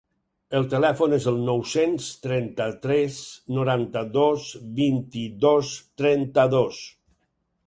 El telèfon és el nou-cents trenta-tres noranta-dos vint-i-dos trenta-dos.